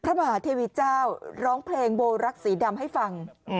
มหาเทวีเจ้าร้องเพลงโบรักสีดำให้ฟัง